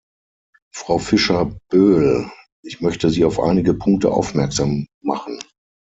Frau Fischer Boel, ich möchte Sie auf einige Punkte aufmerksam machen.